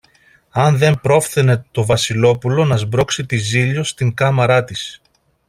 αν δεν πρόφθαινε το Βασιλόπουλο να σπρώξει τη Ζήλιω στην κάμαρα της